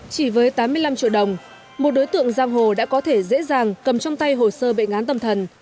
chỉ với tám mươi năm triệu đồng một đối tượng giang hồ đã có thể dễ dàng cầm trong tay hồ sơ bệnh án tâm thần